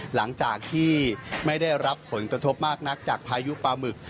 หลังจากที่ไม่ได้รับผลกระทบมากนักจากพายุปลาหมึก